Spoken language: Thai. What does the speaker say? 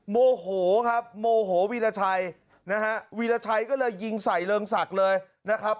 โมโหครับโมโหวีรชัยนะฮะวีรชัยก็เลยยิงใส่เริงศักดิ์เลยนะครับ